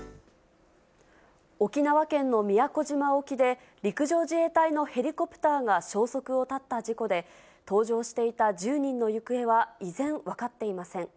沖縄県の宮古島沖で、陸上自衛隊のヘリコプターが消息を絶った事故で、搭乗していた１０人の行方は依然、分かっていません。